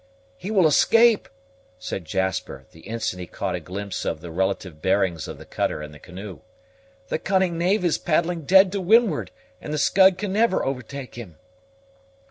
"He will escape!" said Jasper the instant he caught a glimpse of the relative bearings of the cutter and the canoe. "The cunning knave is paddling dead to windward, and the Scud can never overtake him!"